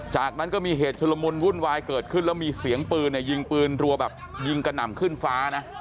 จากนั้นก็มีเหตุชุลมุนวุ่นวายเกิดขึ้นแล้วมีเสียงปืนเนี่ยยิงปืนรัวแบบยิงกระหน่ำขึ้นฟ้านะ